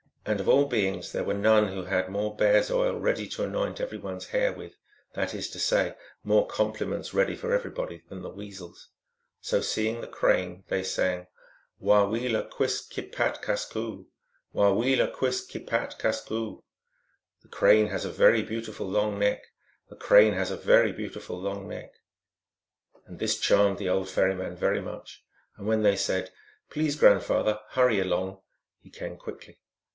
And of all beings there were none who had more bear s oil ready to anoint every one s hair with that is to say, more compliments ready for everybody than the Weasels. So, seeing the Crane, they sang :" Wa wela quis kip pat kasqu , Wa wela quis kip pat kasqu ." (P.) The Crane has a very beautiful long neck, The Crane has a very beautiful long neck. This charmed the old ferryman very much, and when they said, " Please, grandfather, hurry along," he came quickly.